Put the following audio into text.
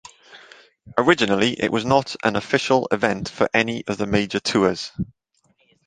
Originally it was not an official event for any of the major tours.